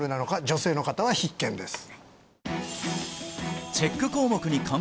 女性の方は必見です